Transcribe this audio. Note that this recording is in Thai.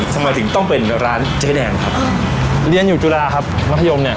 ทำไมถึงต้องเป็นร้านเจ๊แดงครับเรียนอยู่จุฬาครับมัธยมเนี่ย